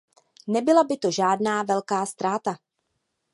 Nebyla by to žádná velká ztráta.